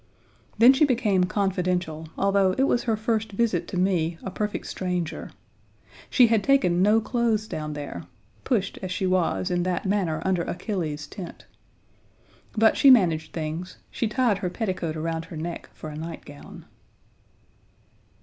Then she became confidential, although it was her first visit to me, a perfect stranger. She had taken no clothes down there pushed, as she was, in that manner under Achilles's tent. But she managed things; she tied her petticoat around her neck for a nightgown.